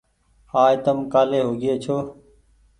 آج تم ڪآلي هوگيئي ڇو ۔